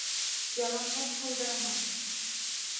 Яланғас ҡалдыраһың!